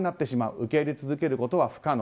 受け入れ続けることは不可能。